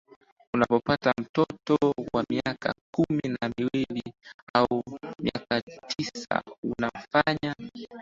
unapompata mtoto wa miaka kumi na miwili au miaka tisa unafanya